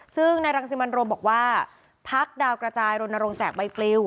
ซึ่งนายรังซีมันโรมบอกว่าพักดาวกระจายลงจากใบปริว